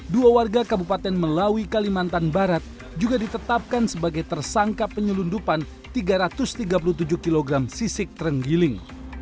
dua warga kabupaten melawi kalimantan barat juga ditetapkan sebagai tersangka penyelundupan tiga ratus tiga puluh tujuh kg sisik terenggiling